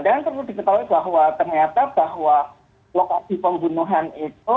dan perlu diketahui bahwa ternyata bahwa lokasi pembunuhan itu